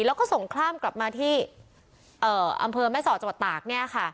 แล้วก็ส่งขล้ามกลับมาที่เอ่ออำเภอแม่สอดจับตากเนี้ยค่ะ